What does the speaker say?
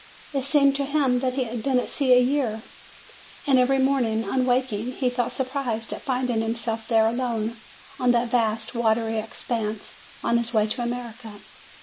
It seemed to him that he had been at sea a year. And every morning, on waking, he felt surprised at finding himself there alone on that vast watery expanse, on his way to America.